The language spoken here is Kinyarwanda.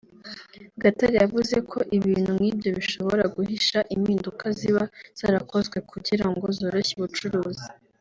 Gatare yavuze ko ibintu nk’ibyo bishobora guhisha impinduka ziba zarakozwe kugira ngo zoroshye ubucuruzi